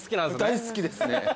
大好きですね。